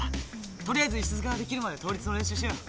とりあえず石塚ができるまで倒立の練習しようよ。